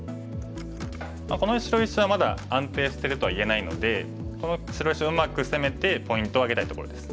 この白石はまだ安定してるとは言えないのでこの白石をうまく攻めてポイントを挙げたいところです。